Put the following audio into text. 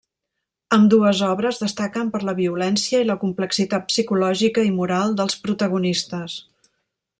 Ambdues obres destaquen per la violència i la complexitat psicològica i moral dels protagonistes.